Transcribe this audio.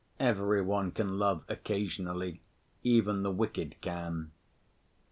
Every one can love occasionally, even the wicked can.